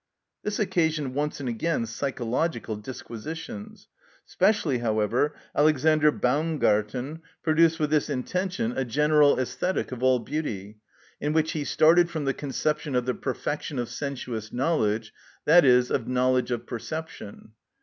This occasioned once and again psychological disquisitions. Specially however, Alexander Baumgarten produced with this intention a general æsthetic of all beauty, in which he started from the conception of the perfection of sensuous knowledge, that is, of knowledge of perception.